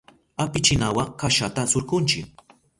Apichinawa kashata surkunchi.